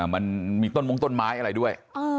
มันมีต้นมงต้นไม้อะไรด้วย